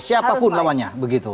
siapapun lawannya begitu